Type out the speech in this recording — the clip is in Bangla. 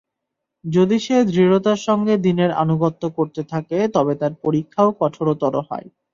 যদি সে দৃঢ়তার সঙ্গে দীনের আনুগত্য করতে থাকে তবে তার পরীক্ষাও কঠোরতর হয়।